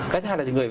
cái thứ hai là gì